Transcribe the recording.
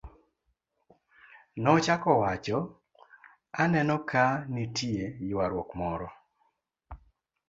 nochako wacho, aneno ka nitie ywaruok moro